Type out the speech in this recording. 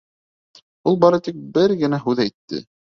Ул бары тик бер генә һүҙ әйтте: